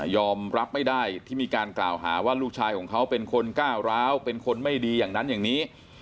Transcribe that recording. รับไม่ได้ที่มีการกล่าวหาว่าลูกชายของเขาเป็นคนก้าวร้าวเป็นคนไม่ดีอย่างนั้นอย่างนี้